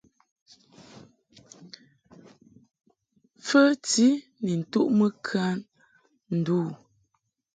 Fəti ni ntuʼmɨ kan ndu u.